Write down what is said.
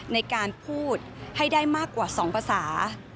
ในการพูดให้ได้มากกว่า๒ภาษา